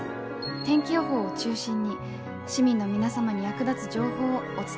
天気予報を中心に市民の皆様に役立つ情報をお伝えしてまいります。